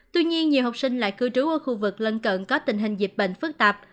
tuy nhiên nhiều học sinh lại cư trú ở khu vực lân cận có tình hình dịch bệnh phức tạp